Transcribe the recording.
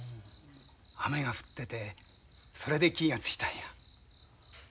雨が降っててそれで気が付いたんや。